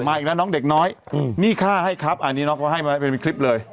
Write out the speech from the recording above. อีกแล้วน้องเด็กน้อยหนี้ค่าให้ครับอันนี้น้องเขาให้มาเป็นคลิปเลย